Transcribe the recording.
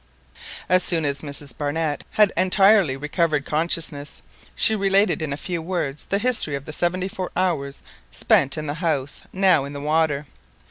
As soon as Mrs Barnett had entirely recovered consciousness, she related in a few words the history of the seventy four hours spent in the house now in the water.